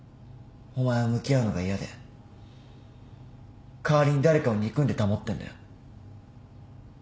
お前は向き合うのが嫌で代わりに誰かを憎んで保ってんだよ。